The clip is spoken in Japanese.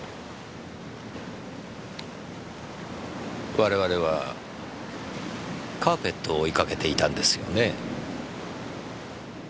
我々はカーペットを追いかけていたんですよね？